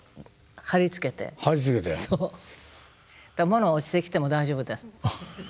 物落ちてきても大丈夫です。